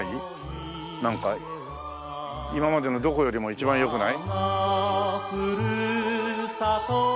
なんか今までのどこよりも一番良くない？